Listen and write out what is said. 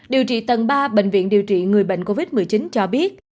điều trị tầng ba bệnh viện điều trị người bệnh covid một mươi chín cho biết